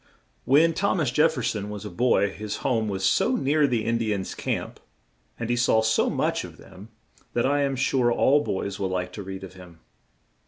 When Thom as Jef fer son was a boy his home was so near the In di ans' camp and he saw so much of them that I am sure all boys will like to read of him.